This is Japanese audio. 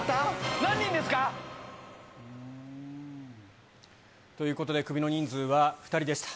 何人ですか？ということで、クビの人数は２人でした。